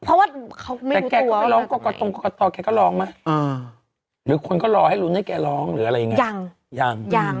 เพราะว่าเขาไม่รู้ตัวแกก็ร้องมาหรือคนก็รอให้รู้ให้แกร้องหรืออะไรอย่างนั้นยัง